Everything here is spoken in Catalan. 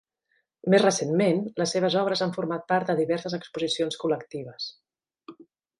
Més recentment, les seves obres han format part de diverses exposicions col·lectives.